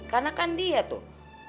karena kan dia tuh